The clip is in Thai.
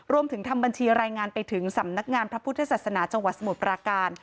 ทำบัญชีรายงานไปถึงสำนักงานพระพุทธศาสนาจังหวัดสมุทรปราการ